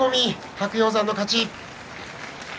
白鷹山の勝ち。